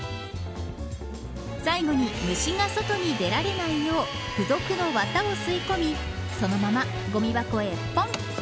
最後に虫が外に出られないよう付属の綿を吸い込みそのままごみ箱へぽん。